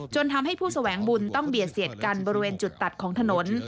ทำให้ผู้แสวงบุญต้องเบียดเสียดกันบริเวณจุดตัดของถนน